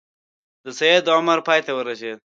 د سید عمر پای ته ورسېد.